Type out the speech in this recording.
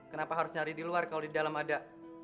kenapa harus nyari di luar kalau di dalam ada